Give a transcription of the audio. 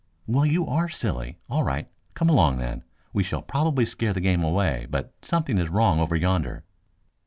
"Well, you are a silly! All right; come along then. We shall probably scare the game away, but something is wrong over yonder."